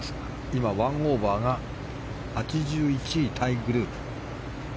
今、１オーバーは８１位タイグループ。